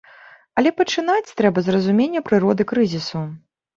Але пачынаць трэба з разумення прыроды крызісу.